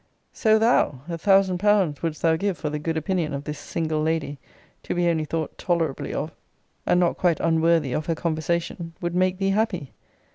So thou! a thousand pounds wouldst thou give for the good opinion of this single lady to be only thought tolerably of, and not quite unworthy of her conversation, would make thee happy.